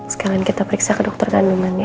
sekalian kita periksa ke dokter kandungan ya